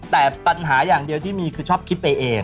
แต่ปัญหาอย่างเดียวที่มีคือชอบคิดไปเอง